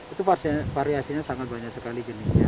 itu variasinya sangat banyak sekali jenisnya